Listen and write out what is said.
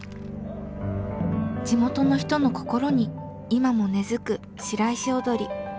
地元の人の心に今も根づく白石踊。